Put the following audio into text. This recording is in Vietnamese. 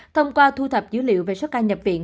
thông qua thu thập dữ liệu về số ca nhập viện